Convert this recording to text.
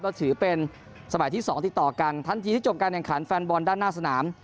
ก็ถือเป็นสมัยที่๒ติดต่อกันทันทีที่จบการแข่งขันแฟนบอลด้านหน้าสนาม